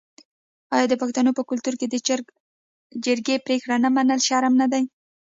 آیا د پښتنو په کلتور کې د جرګې پریکړه نه منل شرم نه دی؟